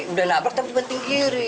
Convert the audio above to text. udah nabrak tapi banting kiri